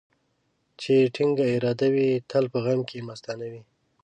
چي يې ټينگه اراده وي ، تل په غم کې مستانه وي.